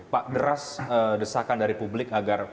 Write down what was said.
pak deras desakan dari publik agar